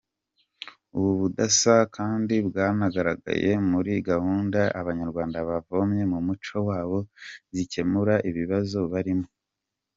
Ubu budasa kandi bwanagaragaye muri gahunda abanyarwanda bavomye mu muco wabo zikemura ibibazo barimo.